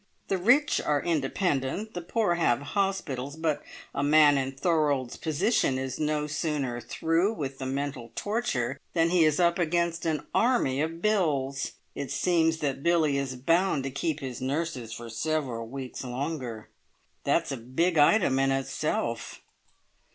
The rich are independent, the poor have hospitals; but a man in Thorold's position is no sooner through with the mental torture than he is up against an army of bills. It seems that Billie is bound to keep his nurses for several weeks longer. That's a big item in itself."